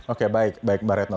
oke baik baik mbak retno